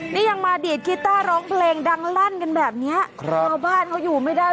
นี่ยังมาดีดกีต้าร้องเพลงดังลั่นกันแบบเนี้ยครับชาวบ้านเขาอยู่ไม่ได้